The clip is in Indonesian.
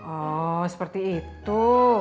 oh seperti itu